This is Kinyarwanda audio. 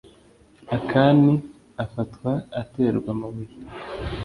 Akani afatwa aterwa amabuye